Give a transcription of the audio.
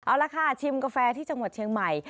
เอาละค่ะชิมกาแฟที่จังหวัดเชียงใหม่